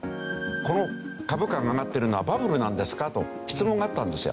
この株価が上がってるのはバブルなんですか？と質問があったんですよ。